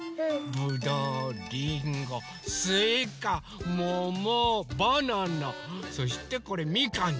ぶどうりんごすいかももバナナそしてこれみかんです。